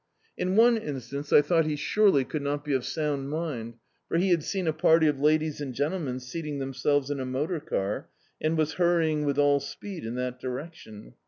In one instance I thou^t he surely could not be of sound mind, for he had seen a party of ladies and gentlemen seating themselves in a motor car, and was hurrying with all speed in that (Urec* tion.